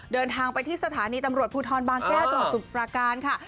เดินทางไปที่สถานีตำรวจภูทรบางแก้วจังหวัดสมุทรปราการค่ะ